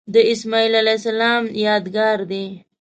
د اسمیل علیه السلام یادګار دی.